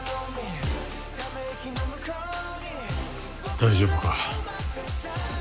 大丈夫か？